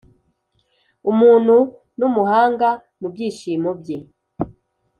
umuntu numuhanga mubyishimo bye.